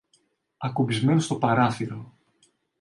ακουμπισμένο στο παράθυρο